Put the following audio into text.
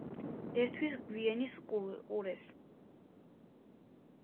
ერთვის გვინეის ყურეს.